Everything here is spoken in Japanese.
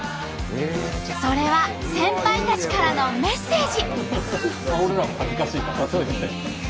それは先輩たちからのメッセージ。